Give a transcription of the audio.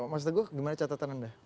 mas teguh gimana catatan anda